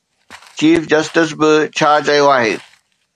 Chief justice به ڇا چيو آهي؟